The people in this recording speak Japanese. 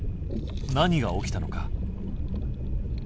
何が起きたのか。